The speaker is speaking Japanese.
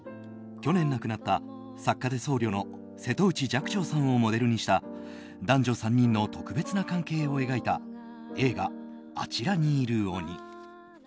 去年亡くなった、作家で僧侶の瀬戸内寂聴さんをモデルにした男女３人の特別な関係を描いた映画「あちらにいる鬼」。